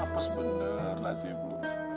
apa sebenernya sih bu